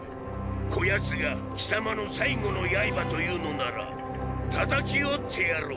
こ奴が貴様の最後の刃というのなら叩き折ってやろう。